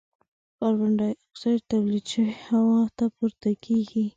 کاربن ډای اکسایډ تولید شوی هوا ته پورته کیږي.